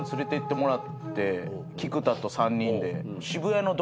菊田と３人で。